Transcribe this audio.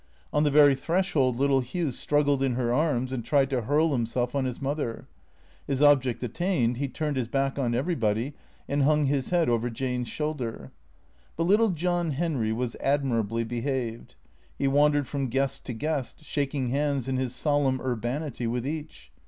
On the very threshold little Hugh struggled in her arms and tried to hurl himself on his mother. His object attained, he turned his back on everybody and hung his head over Jane's shoulder. But little John Henry was admirably behaved. He wandered from guest to guest, shaking hands, in his solemn urbanity, with each.